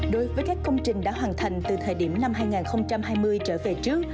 đối với các công trình đã hoàn thành từ thời điểm năm hai nghìn hai mươi trở về trước